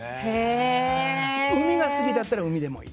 海が好きだったら海でもいい。